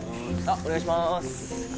お願いします。